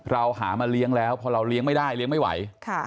เราหามาเลี้ยงแล้วพอเราเลี้ยงไม่ได้เลี้ยงไม่ไหว